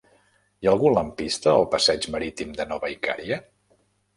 Hi ha algun lampista al passeig Marítim de Nova Icària?